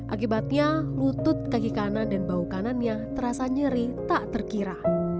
akibatnya lutut kaki kanan dan bau kanannya terasa nyeri tak terkira